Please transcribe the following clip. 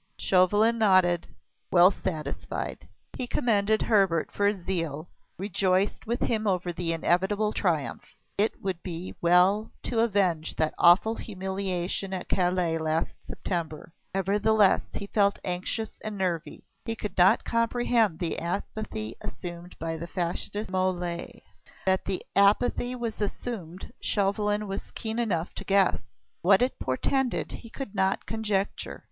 Chauvelin nodded, well satisfied. He commended Hebert for his zeal, rejoiced with him over the inevitable triumph. It would be well to avenge that awful humiliation at Calais last September. Nevertheless, he felt anxious and nervy; he could not comprehend the apathy assumed by the factitious Mole. That the apathy was assumed Chauvelin was keen enough to guess. What it portended he could not conjecture.